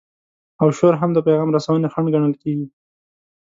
او شور هم د پیغام رسونې خنډ ګڼل کیږي.